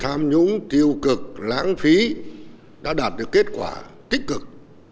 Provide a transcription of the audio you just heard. tham nhũng tiêu cực lãng phí đã đạt được kết quả tích cực